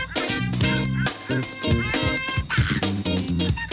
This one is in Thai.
เค้กอร่อย